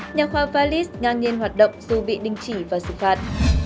nhà khoa valis ngang nhiên hoạt động dù bị đinh chỉ và xử phạt